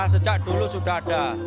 sejak dulu sudah ada